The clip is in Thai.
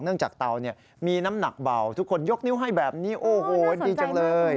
จากเตาเนี่ยมีน้ำหนักเบาทุกคนยกนิ้วให้แบบนี้โอ้โหดีจังเลย